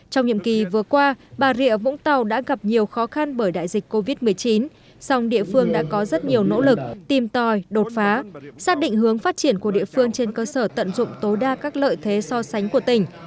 trong nhiệm kỳ vừa qua bà rịa vũng tàu đã gặp nhiều khó khăn bởi đại dịch covid một mươi chín song địa phương đã có rất nhiều nỗ lực tìm tòi đột phá xác định hướng phát triển của địa phương trên cơ sở tận dụng tối đa các lợi thế so sánh của tỉnh